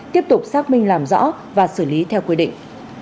tiếp tục xác minh làm rõ và xử lý theo quy định